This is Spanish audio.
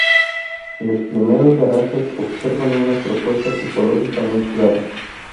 Les primeros garajes observan una propuesta tipológica muy clara.